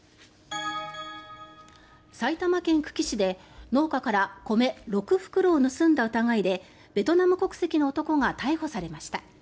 埼玉県久喜市で農家から米６袋を盗んだ疑いでベトナム国籍の男が逮捕されました。